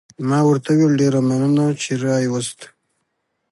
ما ورته وویل: ډېره مننه، چې را يې وست.